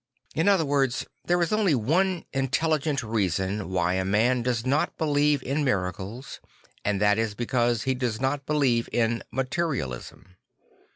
In other words there is only one intelligent reason why a man does not believe in miracles and that is that he does believe in materialism.